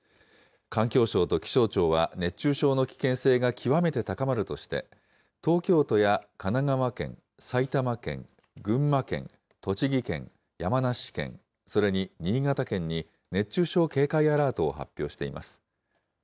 環境省と気象庁は、熱中症の危険性が極めて高まるとして、東京都や神奈川県、埼玉県、群馬県、栃木県、山梨県、それに新潟県に、熱中症警戒アラートを発表しています。